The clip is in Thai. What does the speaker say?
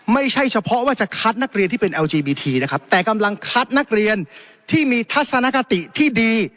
ไม่ใช่เฉพาะว่าจะคัดนักเรียนที่เป็นเอลจีบีทีนะครับแต่กำลังคัดนักเรียนที่มีทัศนคติที่ดี